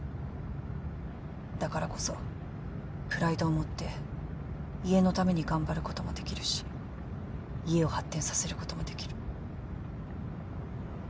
だからこそプライドを持って家のために頑張ることもできるし家を発展させることもできる。